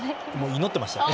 祈っていましたね。